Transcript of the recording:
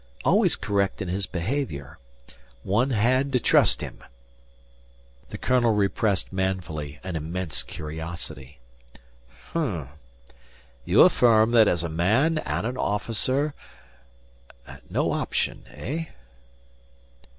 Always correct in his behaviour. One had to trust him. The colonel repressed manfully an immense curiosity. "H'm! You affirm that as a man and an officer.... No option? Eh?"